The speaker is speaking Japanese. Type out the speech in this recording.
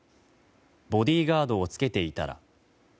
ボディーガードをつけていたら。